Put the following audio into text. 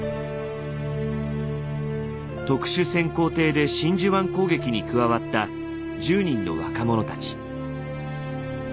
特殊潜航艇で真珠湾攻撃に加わった１０人の若者たち。